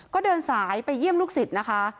ก็เดินสายไปเยี่ยมลูกศิษย์นะคะ